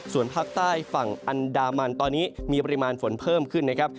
ส่วนภาคใต้ฝั่งอันดามันตอนนี้มีปริมาณฝนเพิ่มขึ้นนะครับ